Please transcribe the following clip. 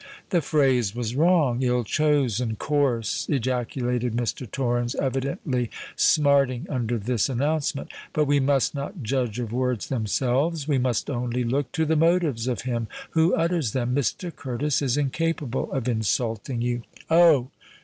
"The phrase was wrong—ill chosen—coarse," ejaculated Mr. Torrens, evidently smarting under this announcement: "but we must not judge of words themselves—we must only look to the motives of him who utters them. Mr. Curtis is incapable of insulting you——" "Oh!